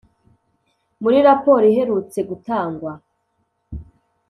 muri raporo iherutse gutangwa